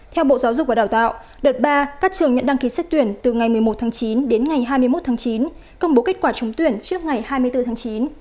theo bộ giáo dục và đào tạo đợt ba các trường nhận đăng ký xét tuyển từ ngày một mươi một tháng chín đến ngày hai mươi một tháng chín công bố kết quả trúng tuyển trước ngày hai mươi bốn tháng chín